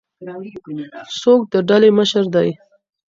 څوک د ډلي مشر دی؟